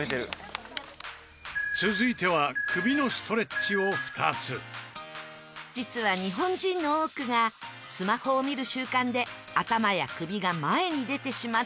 続いては実は日本人の多くがスマホを見る習慣で頭や首が前に出てしまっているという。